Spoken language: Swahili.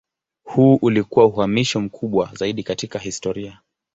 Huu ulikuwa uhamisho mkubwa zaidi katika historia.